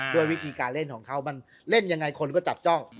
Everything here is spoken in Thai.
ด้วยวิธีการเล่นของเขามันเล่นยังไงคนก็จับจ้อง